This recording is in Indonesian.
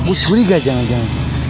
gua curiga jangan jangan